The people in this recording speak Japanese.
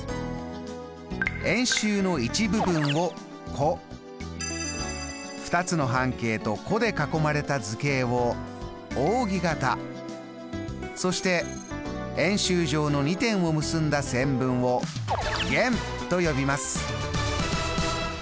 円周の一部分を弧２つの半径と弧で囲まれた図形を扇形そして円周上の２点を結んだ線分を弦と呼びます。